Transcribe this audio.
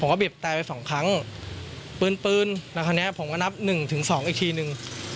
ผมก็บีบแต่ไป๒ครั้งปื้นแล้วคราวนี้ผมก็นับ๑๒อีกทีหนึ่ง